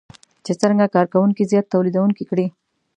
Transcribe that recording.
چې څرنګه کار کوونکي زیات توليدونکي کړي.